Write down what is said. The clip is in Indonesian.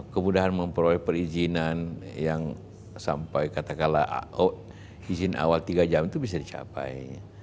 kemudahan memperoleh perizinan yang sampai katakanlah izin awal tiga jam itu bisa dicapai